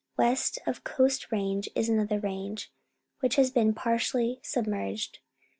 West of the Coast Range is another range, which has been par tially submerged.